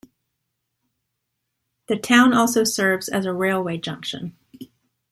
The town also serves as a railway junction.